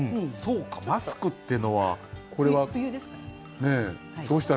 そうか「マスク」っていうのはこれは。